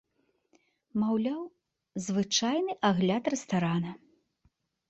Маўляў, звычайны агляд рэстарана.